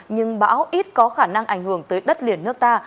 nhưng bão ít có khả năng ảnh hưởng tới đất liền nước ta